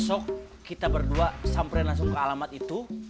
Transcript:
besok kita berdua samperin langsung ke alamat itu